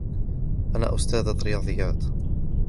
. أنا أستاذة رياضيات